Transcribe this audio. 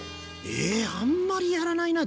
えあんまりやらないな。